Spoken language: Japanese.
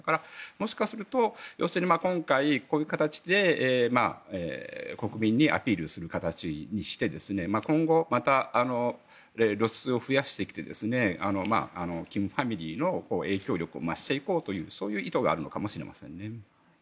もしかすると、要するに今回こういう形で国民にアピールする形にして今後、また露出を増やしてきて金ファミリーの影響力を増していこうという意図があるのかもしれませんね。